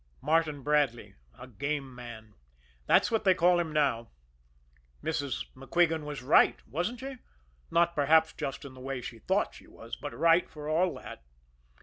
Martin Bradley a game man that's what they call him now. Mrs. MacQuigan was right wasn't she? Not perhaps just in the way she thought she was but right for all that.